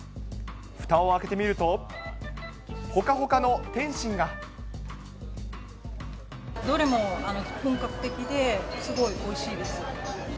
ふたを開けてみると、どれも本格的で、すごいおいしいです。